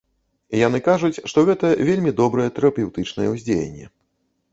Яны кажуць, што гэта вельмі добрае тэрапеўтычнае ўздзеянне.